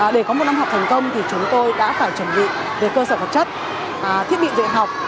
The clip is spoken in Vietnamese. để có một năm học thành công thì chúng tôi đã phải chuẩn bị về cơ sở vật chất thiết bị dạy học